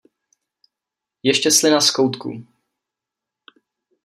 Ještě slina z koutku.